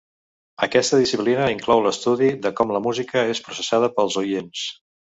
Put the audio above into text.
Aquesta disciplina inclou l'estudi de com la música és processada pels oients.